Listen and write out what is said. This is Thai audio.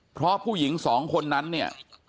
เพราะผู้หญิงสองคนนั้นเนี่ย